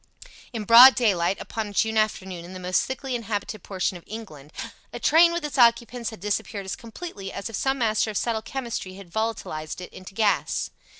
In broad daylight, upon a June afternoon in the most thickly inhabited portion of England, a train with its occupants had disappeared as completely as if some master of subtle chemistry had volatilized it into gas.